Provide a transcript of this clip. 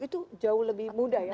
itu jauh lebih mudah ya